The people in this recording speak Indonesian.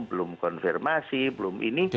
belum konfirmasi belum ini